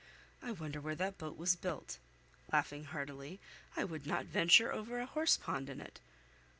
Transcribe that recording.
I wonder where that boat was built!" (laughing heartily); "I would not venture over a horsepond in it.